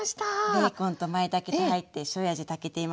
ベーコンとまいたけと入ってしょうゆ味炊けています。